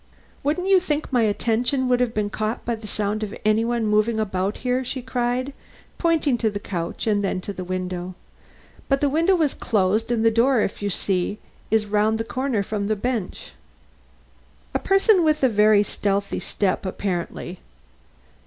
"Wouldn't you think my attention would have been caught by the sound of any one moving about here?" she cried, pointing to the couch and then to the window. "But the window was closed and the door, as you see, is round the corner from the bench." "A person with a very stealthy step, apparently."